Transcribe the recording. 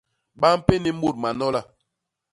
Ba mpéni mut manola.